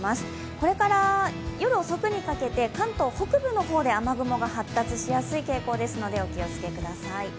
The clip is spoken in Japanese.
これから夜遅くにかけて関東北部の方で雨雲が発達しやすい傾向ですのでお気をつけください。